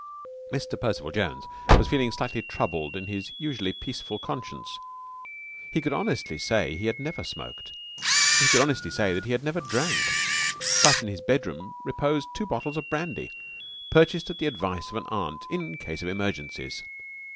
Mr. Percival Jones was feeling slightly troubled in his usually peaceful conscience. He could honestly say that he had never smoked. He could honestly say that he had never drank. But in his bedroom reposed two bottles of brandy, purchased at the advice of an aunt "in case of emergencies."